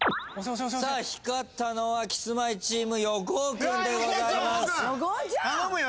さあ光ったのはキスマイチーム横尾君でございます。